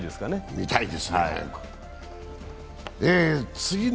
見たいですね、早く。